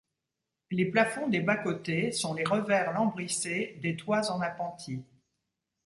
Les plafonds des bas-côtés sont les revers lambrissés des toits en appentis.